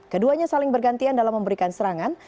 keduanya saling bergantian dalam memberikan serangan